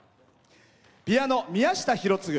ピアノ、宮下博次。